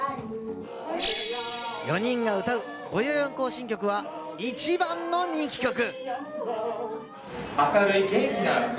４人が歌う「ぼよよん行進曲」は一番の人気曲！